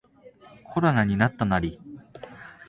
コロナになったナリ